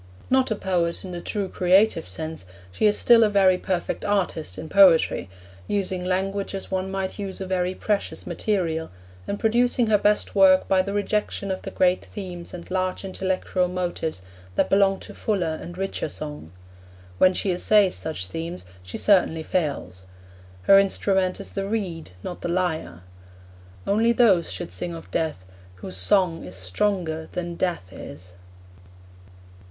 Not a poet in the true creative sense, she is still a very perfect artist in poetry, using language as one might use a very precious material, and producing her best work by the rejection of the great themes and large intellectual motives that belong to fuller and richer song. When she essays such themes, she certainly fails. Her instrument is the reed, not the lyre. Only those should sing of Death whose song is stronger than Death is.